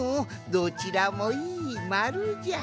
どちらもいいまるじゃ！